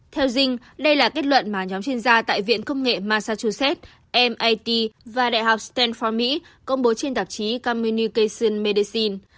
theo dinh đây là kết luận mà nhóm chuyên gia tại viện công nghệ massachusetts mit và đại học stanford mỹ công bố trên tạp chí communication medicine